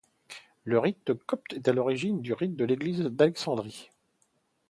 Le rite copte est à l'origine le rite de l'Église d'Alexandrie.